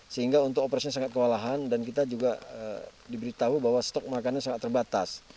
sehingga untuk operasinya sangat kewalahan dan kita juga diberitahu bahwa stok makannya sangat terbatas